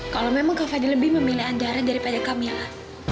kalau memang kak fadil lebih memilih ajaran daripada kamila